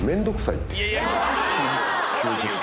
９０分。